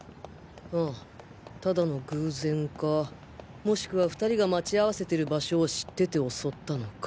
ああただの偶然かもしくは２人が待ち合わせてる場所を知ってて襲ったのか。